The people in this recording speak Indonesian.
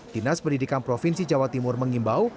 dinas pendidikan provinsi jawa timur mengimbau